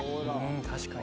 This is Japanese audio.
確かに。